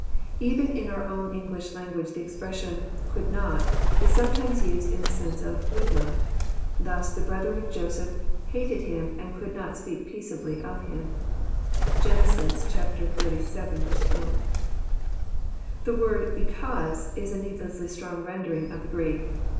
Even in our own English language the expression, <* could not, " is sometimes used in the sense of would* not." Thus the brethren of Joseph '* hated him, and could hot speak peaceably of him." (Gen. xxxvii. 4.) The word " because is a needlessly strong rendering of the Greek.